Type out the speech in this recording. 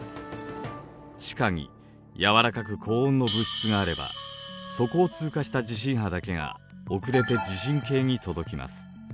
地下に軟らかく高温の物質があればそこを通過した地震波だけが遅れて地震計に届きます。